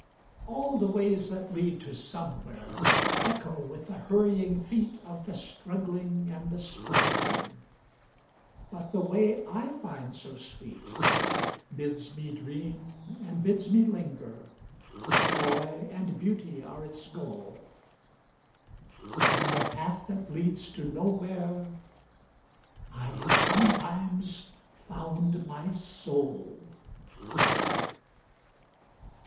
All the ways that lead to SomewhereEcho with the hurrying feetOf the Struggling and the Striving, But the way I find so sweetBids me dream and bids me linger, Joy and Beauty are its goal,—On the path that leads to NowhereI have sometimes found my soul!